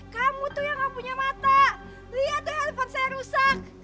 kamu tuh yang gak punya mata lihat handphone saya rusak